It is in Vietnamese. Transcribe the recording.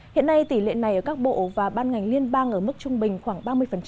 hiện nay tỷ lệ này ở các bộ và ban ngành liên bang ở mức trung bình khoảng ba mươi